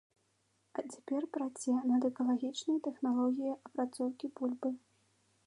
А цяпер праце над экалагічнай тэхналогіяй апрацоўкі бульбы.